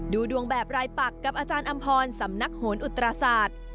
ดูดวงแบบรายปักกับอาจารย์อำพรสำนักโหนอุตราศาสตร์